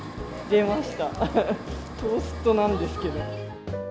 出ました、トーストなんですけど。